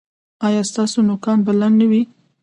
ایا ستاسو نوکان به لنډ نه وي؟